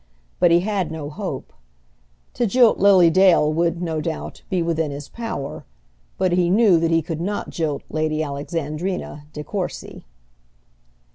But he had no hope. To jilt Lily Dale would, no doubt, be within his power, but he knew that he could not jilt Lady Alexandrina De Courcy.